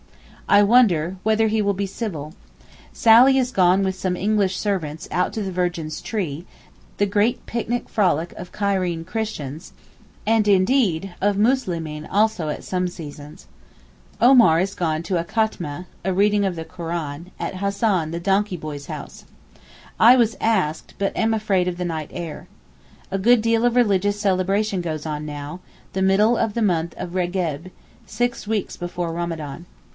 I wonder whether he will be civil. Sally is gone with some English servants out to the Virgin's tree, the great picnic frolic of Cairene Christians, and, indeed, of Muslimeen also at some seasons. Omar is gone to a Khatmeh—a reading of the Koran—at Hassan the donkey boy's house. I was asked, but am afraid of the night air. A good deal of religious celebration goes on now, the middle of the month of Regeb, six weeks before Ramadan.